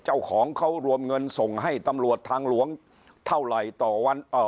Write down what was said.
เจ้าของเขารวมเงินส่งให้ตำรวจทางหลวงเท่าไหร่ต่อวันเอ่อ